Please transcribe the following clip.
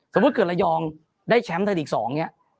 สมมุติเกิดระยองได้แชมป์ไทยลีก๒เนี่ย